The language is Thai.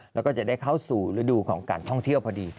แล้วก็จะได้เข้าสู่ฤดูของการท่องเที่ยวพอดี